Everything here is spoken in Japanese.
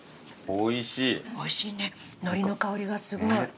おいしいねのりの香りがすごい。